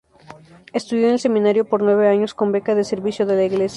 Estudió en el Seminario por nueve años con beca de servicio de la Iglesia.